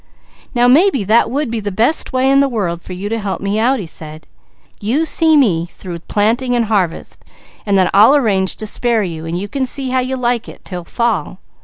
"Now maybe that would be the best way in the world for you to help me out," he said. "You see me through planting and harvest and then I'll arrange to spare you, and you can see how you like it till fall.